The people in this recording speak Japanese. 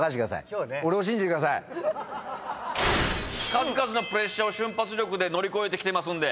数々のプレッシャーを瞬発力で乗り越えてきてますんで。